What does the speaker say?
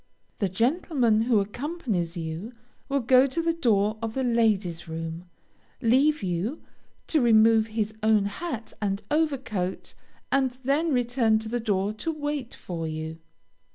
The gentleman who accompanies you will go to the door of the lady's room, leave you, to remove his own hat and over coat, and then return to the door to wait for you.